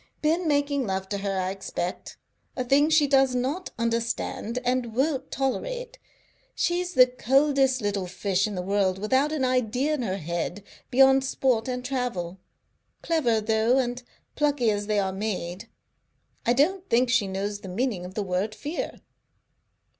"Been making love to her, I expect. A thing she does not understand and won't tolerate. She's the coldest little fish in the world, without an idea in her head beyond sport and travel. Clever, though, and plucky as they are made. I don't think she knows the meaning of the word fear."